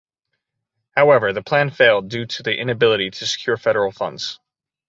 However, the plan failed due to the inability to secure federal funds.